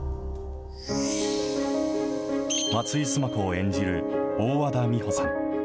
松井須磨子を演じる大和田美帆さん。